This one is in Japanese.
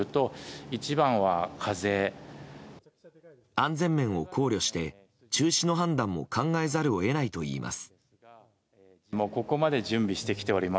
安全面を考慮して中止の判断も考えざるを得ないといいます。